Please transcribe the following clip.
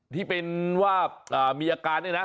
ที่เป็นว่ามีอาการเนี่ยนะ